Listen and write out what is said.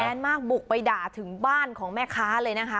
มากบุกไปด่าถึงบ้านของแม่ค้าเลยนะคะ